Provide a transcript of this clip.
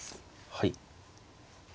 はい。